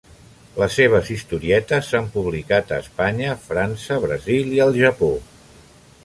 Les seves historietes s'han publicat a Espanya, França, Brasil i al Japó.